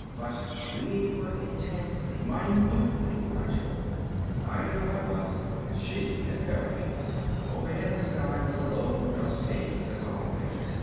But we were intensely, minutely watchful I knew I was and she had better be. Overhead the sky was a low dust haze, as always.